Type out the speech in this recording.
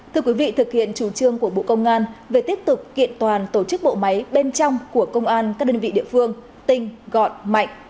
thưa quý vị thực hiện chủ trương của bộ công an về tiếp tục kiện toàn tổ chức bộ máy bên trong của công an các đơn vị địa phương tinh gọn mạnh